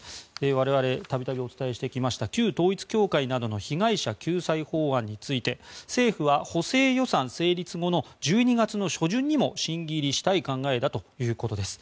我々、度々お伝えしてきました旧統一教会などの被害者救済法案について政府は補正予算成立後の１２月の初旬にも審議入りしたい考えだということです。